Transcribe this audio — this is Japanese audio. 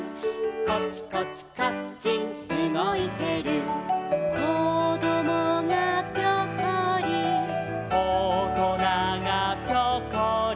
「コチコチカッチンうごいてる」「こどもがピョコリ」「おとながピョコリ」